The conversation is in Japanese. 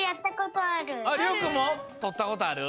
とったことある？